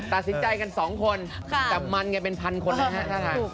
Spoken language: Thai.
ตัดสินใจกัน๒คนแต่มันไงเป็นพันคนนะฮะ